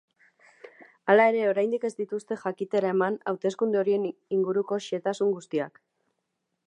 Hala ere, oraindik ez dituzte jakitera eman hauteskunde horien inguruko xehetasun guztiak.